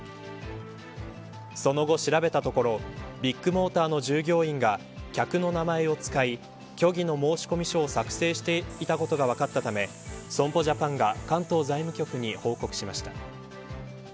その後、調べたところビッグモーターの従業員が客の名前を使い虚偽の申し込み書を作成していたことが分かったため損保ジャパンが関東財務局に報告しました。